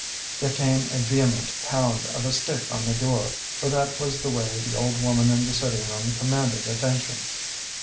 There came a vehement pound of a stick on the floor, for that was the way the old woman in the sitting room commanded attention.